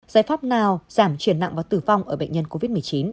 giải pháp nào giảm chuyển nặng và tử vong ở bệnh nhân covid một mươi chín